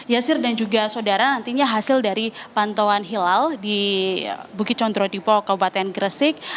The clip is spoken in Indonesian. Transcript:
yasir dan juga saudara nantinya hasil dari pantauan hilal di bukit condro tipo kabupaten gresik